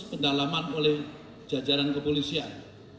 pendalaman oleh jajaran kepolisian